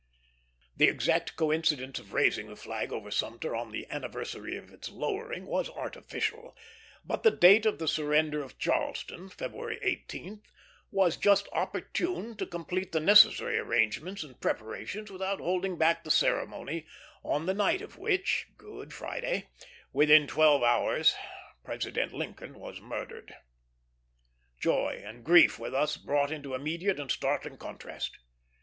The exact coincidence of raising the flag over Sumter on the anniversary of its lowering was artificial, but the date of the surrender of Charleston, February 18th, was just opportune to complete the necessary arrangements and preparations without holding back the ceremony, on the night of which Good Friday within twelve hours, President Lincoln was murdered. Joy and grief were thus brought into immediate and startling contrast.